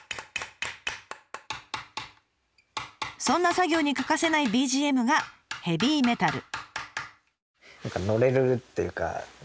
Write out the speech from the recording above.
そんな作業に欠かせないＢＧＭがヘビーメタル。